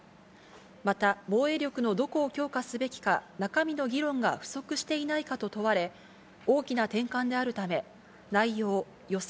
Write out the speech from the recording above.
また、防衛力のどこを強化すべきか、中身の議論が不足していないかと問われ、大きな転換であるため、内容、予算、